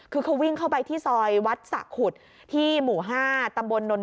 คือเขาวิ่งเข้าไปที่ซอยวัดสะขุดที่หมู่๕ตำบลนนท